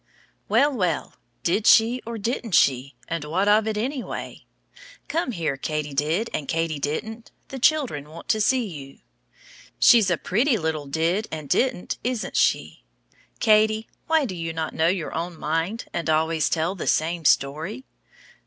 Well, well, did she or didn't she, and what of it anyway. Come here, Katy did and Katy didn't, the children want to see you. She's a pretty little Did and Didn't, isn't she. Katy, why do you not know your own mind and always tell the same story?